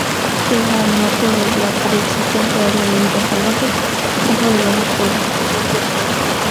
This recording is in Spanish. Queda al norte de la preexistente área de vida salvaje Paso del Oso Polar.